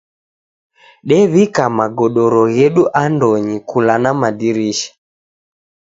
Dew'ika magodoro ghedu andonyi kula na madirisha.